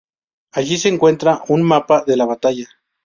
Allí se encuentra un mapa de la batalla.